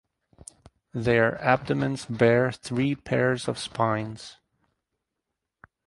Their abdomens bear three pairs of spines.